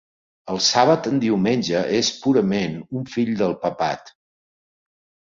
El sàbat en diumenge és purament un fill del papat.